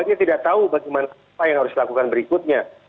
dia tidak tahu bagaimana apa yang harus dilakukan berikutnya